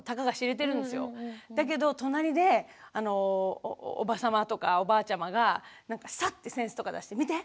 だけど隣でおば様とかおばあちゃまがサッて扇子とか出して「見て！」